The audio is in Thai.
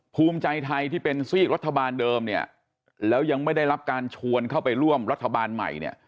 ภูมิใจไทยที่เป็นซีกรัฐบาลเดิมเนี่ยแล้วยังไม่ได้รับการชวนเข้าไปร่วมรัฐบาลใหม่เนี่ย